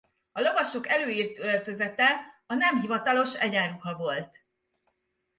A lovasok előírt öltözete a nem hivatalos egyenruha volt.